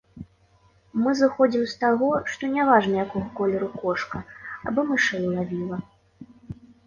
Мы зыходзім з таго, што не важна якога колеру кошка, абы мышэй лавіла.